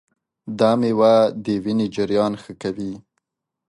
دا مېوه د وینې جریان ښه کوي.